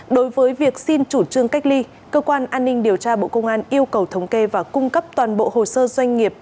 đối với việc xin chủ trương cách ly cơ quan an ninh điều tra bộ công an yêu cầu thống kê và cung cấp toàn bộ hồ sơ doanh nghiệp